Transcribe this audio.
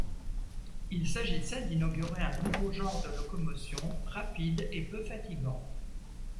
Il s’agissait d’inaugurer un nouveau genre de locomotion rapide et peu fatigant.